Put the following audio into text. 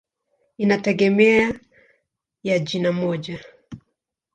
Inategemea ya jina moja.